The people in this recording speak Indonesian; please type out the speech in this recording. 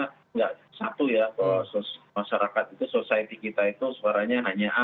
tidak satu ya bahwa masyarakat itu society kita itu suaranya hanya a